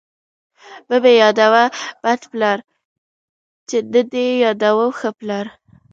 ـ مه مې يادوه بد پلار، چې نه دې يادوم ښه پلار.